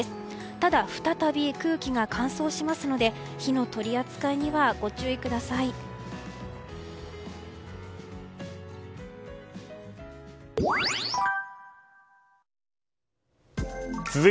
ただ、再び空気が乾燥しますので火の取り扱いにはご注意ください。